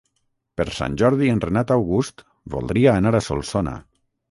Per Sant Jordi en Renat August voldria anar a Solsona.